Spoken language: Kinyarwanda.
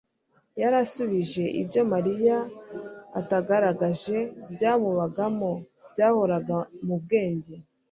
yari asubije ibyo Mariya atagaragaje byamubagamo byahoraga mu bwenge